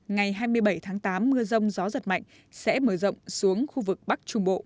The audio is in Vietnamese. ngày hai mươi bảy tháng tám mưa rông gió giật mạnh sẽ mở rộng xuống khu vực bắc trung bộ